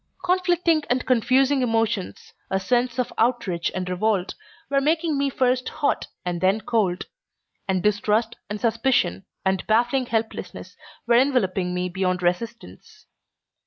Conflicting and confusing emotions, a sense of outrage and revolt, were making me first hot and then cold, and distrust and suspicion and baffling helplessness were enveloping me beyond resistance.